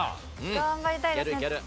頑張りたいですね。